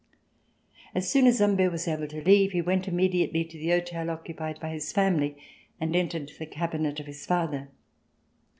As soon as Humbert was able to leave, he went im mediately to the hotel occupied by his family and entered the cabinet of his father.